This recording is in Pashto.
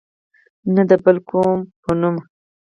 نه د بل قوم په نوم.